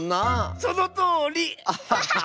そのとおり！